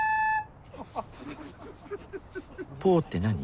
「ポ」って何？